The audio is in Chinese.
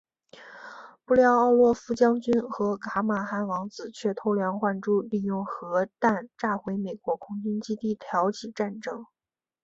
不料奥洛夫将军和卡马汉王子却偷梁换柱利用核弹炸毁美国空军基地挑起战争。